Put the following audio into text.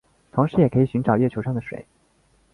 同时也可以寻找月球上的水。